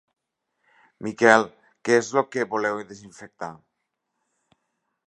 Miquel, què és el que voleu desinfectar?